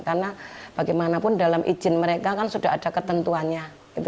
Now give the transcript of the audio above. karena bagaimanapun dalam izin mereka kan sudah ada ketentuannya